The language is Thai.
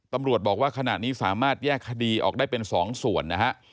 ตำรวจบอกว่าขณะนี้สามารถแยกคดีออกได้เป็น๒ส่วนนะฮะ